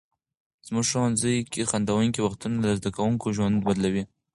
زموږ ښوونځي کې خندونکي وختونه د زده کوونکو ژوند بدلوي.